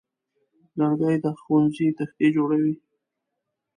لرګی د ښوونځي تختې جوړوي.